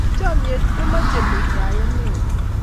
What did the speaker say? chomyet ko mochei muitaiyet neo